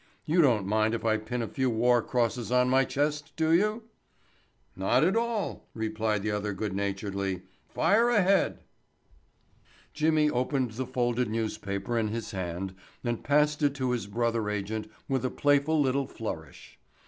You don't mind if I pin a few war crosses on my chest, do you?" "Not at all," replied the other good naturedly. "Fire ahead." Jimmy opened the folded newspaper in his hand and passed it to his brother agent with a playful little flourish.